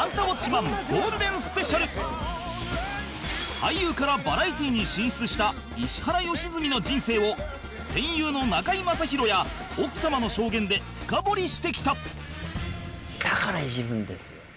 俳優からバラエティに進出した石原良純の人生を戦友の中居正広や奥様の証言で深堀りしてきた